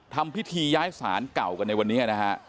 ทำพิธีย้ายศาลเก่ากันในวันนี้นะฮะ